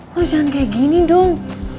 kok jangan kayak gini dong